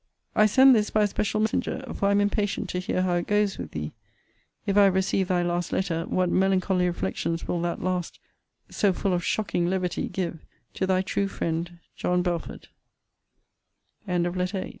I send this by a special messenger: for I am impatient to hear how it goes with thee. If I have received thy last letter, what melancholy reflections will that last, so full of shocking levity, give to Thy true friend, JOHN BELFORD. LETTER IX MR.